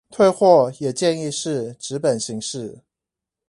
退貨也建議是紙本形式